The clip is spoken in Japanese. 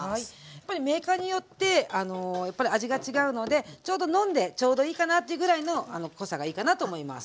やっぱりメーカーによってやっぱり味が違うのでちょうど飲んでちょうどいいかなってぐらいの濃さがいいかなと思います。